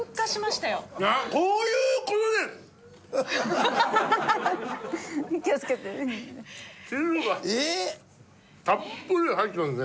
たっぷり入ってますね。